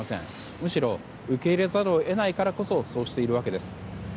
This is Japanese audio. むしろ受け入れざるを得ないからこそそうしているわけです。